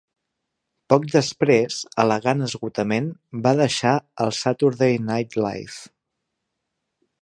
Poc després, al·legant esgotament, va deixar el "Saturday Night Live".